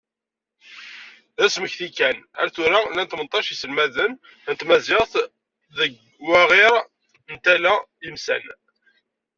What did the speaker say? D asmekti kan, ar tura llan tmenṭac n yiselmaden n tmaziɣt deg waɣir n Tala Yemsan.